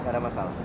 nggak ada masalah